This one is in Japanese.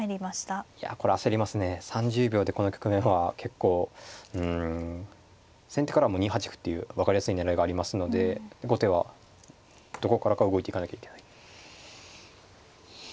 これ焦りますね３０秒でこの局面は結構うん先手からも２八歩っていう分かりやすい狙いがありますので後手はどこからか動いていかなきゃいけない。